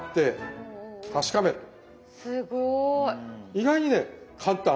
意外にね簡単。